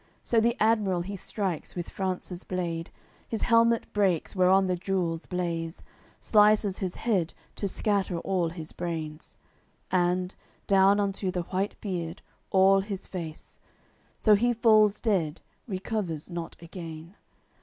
So the admiral he strikes with France's blade, His helmet breaks, whereon the jewels blaze, Slices his head, to scatter all his brains, And, down unto the white beard, all his face; So he falls dead, recovers not again.